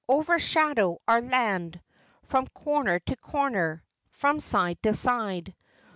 Overshadow our land From corner to corner From side to side.